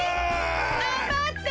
がんばって！